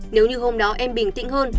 nếu như hôm đó em bình tĩnh hơn